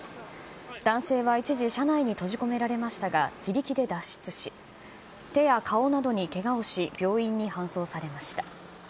男性は一時、車内に閉じ込められましたが、自力で脱出し、手や顔などにけがをし、病院に搬送されました。